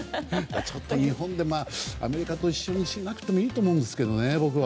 ちょっと日本ではアメリカと一緒にしなくてもいいと思うんですけどね、僕は。